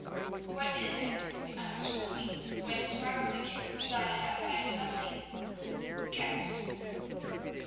"What is it?" asked Moni, when it sparkled again, lighted up by a sunbeam. "Guess!"